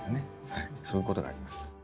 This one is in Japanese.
そういうことがあります。